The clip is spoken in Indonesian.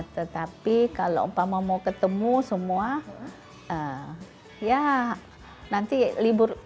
tetapi kalau umpama mau ketemu semua ya nanti libur